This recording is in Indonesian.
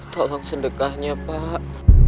tolong sedekahnya pak